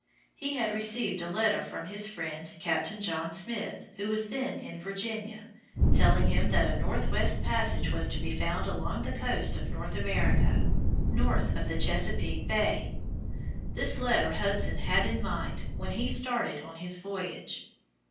He had received a letter from his friend Captain John Smith, who was then in Virginia, telling him that a northwest passage was to be found along the coast of North America, north of Chesapeake Bay. This letter Hudson had in mind when he started on his voyage.